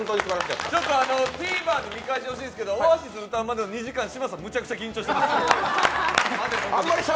ＴＶｅｒで見返して欲しいんですけども、Ｏａｓｉｓ歌うまでの２時間、嶋佐めちゃくちゃ緊張してました。